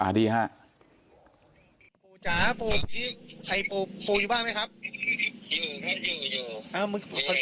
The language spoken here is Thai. อ่าดีค่ะปู่จ๋าปู่พี่ไอ้ปู่ปู่อยู่บ้านไหมครับอยู่ครับอยู่อยู่